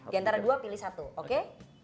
di antara dua pilih satu oke